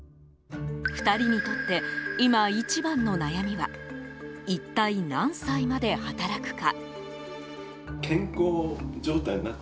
２人にとって今、一番の悩みは一体、何歳まで働くか。